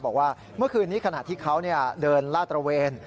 บอกว่าเมื่อคืนนี้ขณะที่เขาเดินลาดตระเวน